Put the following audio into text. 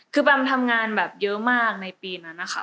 คือแบมทำงานแบบเยอะมากในปีนั้นนะคะ